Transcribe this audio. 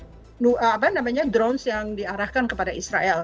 jadi mereka semacam sekutu dengan as untuk menjatuhkan drones yang diarahkan kepada israel